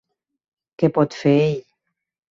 Què pot fer ell?